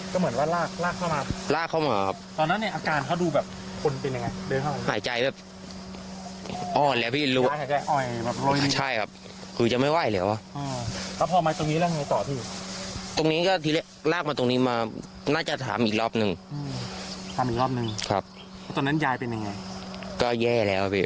คุณยายเป็นยังไงก็แย่แล้วคุณอื่นพยายามทำยังไง